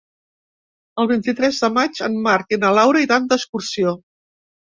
El vint-i-tres de maig en Marc i na Laura iran d'excursió.